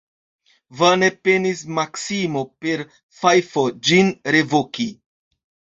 Vane penis Maksimo per fajfo ĝin revoki.